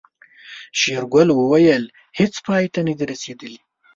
شېرګل وويل هيڅ پای ته نه دي رسېدلي.